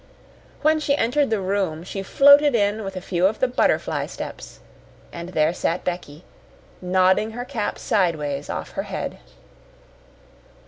When she entered the room, she floated in with a few of the butterfly steps and there sat Becky, nodding her cap sideways off her head.